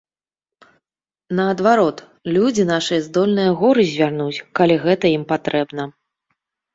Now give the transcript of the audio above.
Наадварот, людзі нашыя здольныя горы звярнуць, калі гэта ім патрэбна.